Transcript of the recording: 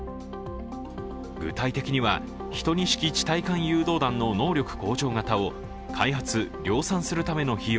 具体的には、１２式地対艦誘導弾の能力向上型を開発・量産するための費用